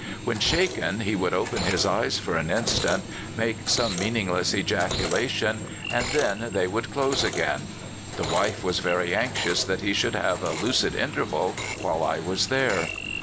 When shaken, he would open his eyes for an instant, make some meaning less ejaculation, and then they would close again. The wife was very anxious that he should have a lucid interval while I was there.